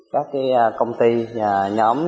các công ty nhóm